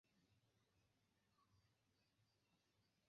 Dante Alighieri estis lia amiko.